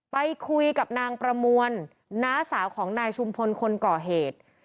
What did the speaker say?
ไปคุยกับนางประมวลน้าสาวของนายชุมพลคนก่อเหตุ